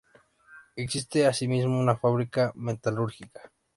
Existe asimismo una fábrica metalúrgica.